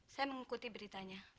saya mengikuti beritanya